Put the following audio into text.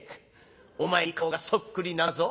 お前に顔がそっくりなんだぞ」。